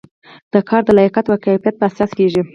دا کار د لیاقت او کفایت په اساس کیږي.